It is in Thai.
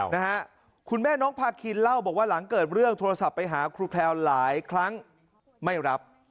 นะฮะคุณแม่น้องพาคินเล่าบอกว่าหลังเกิดเรื่องโทรศัพท์ไปหาครูแพลวหลายครั้งไม่รับ